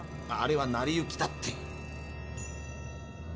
あれは成り行きだって。